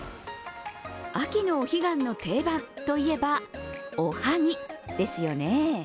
秋のお彼岸の定番といえばおはぎですよね。